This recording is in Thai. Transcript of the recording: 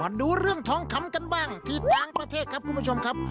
ดูเรื่องทองคำกันบ้างที่ต่างประเทศครับคุณผู้ชมครับ